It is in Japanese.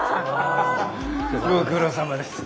ご苦労さまです。